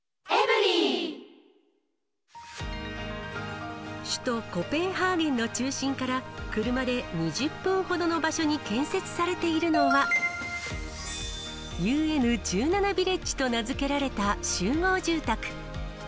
こうした中、首都コペンハーゲンの中心から、車で２０分ほどの場所に建設されているのは、ＵＮ１７ビレッジと名付けられた集合住宅。